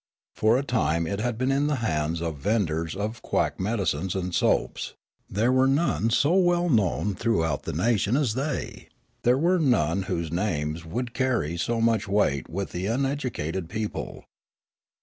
For a time it had been in the hands of vendors of quack medicines and soaps ; there were none so well known throughout the nation as the}'^ ; there were none whose names would carry so much weight wath the uneducated people.